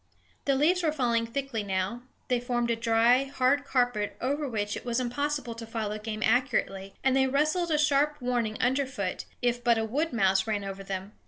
The leaves were falling thickly now; they formed a dry, hard carpet over which it was impossible to follow game accurately, and they rustled a sharp warning underfoot if but a wood mouse ran over them.